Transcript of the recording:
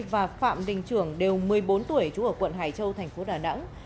và phạm đình trưởng đều một mươi bốn tuổi trú ở quận hải châu thành phố đà nẵng